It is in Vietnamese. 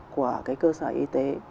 của cái cơ sở y tế